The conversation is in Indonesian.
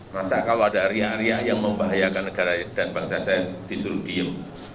masa kalau ada riak riak yang membahayakan negara dan bangsa saya disuruh diem